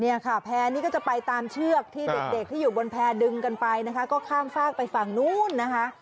เนี่ยค่ะแพร่นี่ก็จะไปตามเชือกที่เด็กที่อยู่บนแพร่ดึงกันไปนะคะก็ข้ามฝากไปฝั่งนู้นนะคะ